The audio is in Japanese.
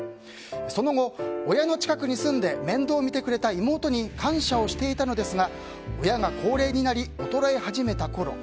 その後、親の近くに住んで面倒を見てくれた妹に感謝をしていたのですが親が高齢になり衰え始めたころ